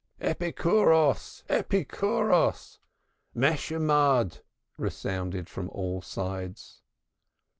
"Epikouros, Epikouros, Meshumad" resounded from all sides.